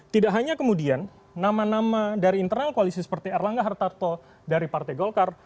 tidak hanya kemudian nama nama dari internal koalisi seperti erlangga hartarto dari partai golkar